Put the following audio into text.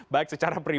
jadi ini juga terjadi